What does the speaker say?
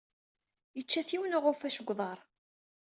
Yečča-t yiwen uɣucaf deg uḍar.